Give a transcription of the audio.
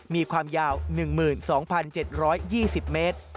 มีความยาว๑๒๗๒๐เมตร